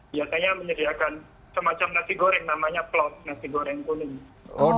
biasanya menyediakan semacam nasi goreng namanya plot nasi goreng kuning